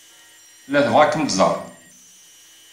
Tella tebɣa ad kem-tẓer.